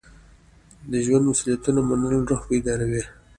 د ژوند مسؤلیت منل روح بیداروي.